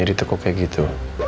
ekstra profen nah kacang lalu